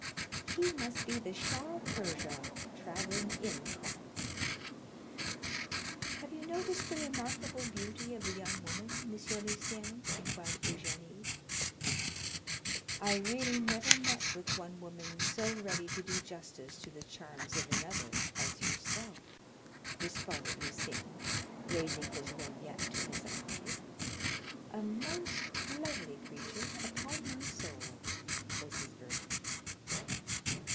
"He must be the Shah of Persia, travelling incog." "Have you noticed the remarkable beauty of the young woman, M. Lucien?" inquired Eugénie. "I really never met with one woman so ready to do justice to the charms of another as yourself," responded Lucien, raising his lorgnette to his eye. "A most lovely creature, upon my soul!" was his verdict.